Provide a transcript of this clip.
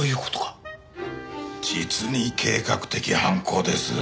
実に計画的犯行です。